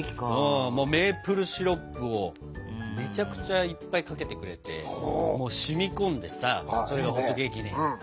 メープルシロップをめちゃくちゃいっぱいかけてくれてもう染み込んでさそれがホットケーキに。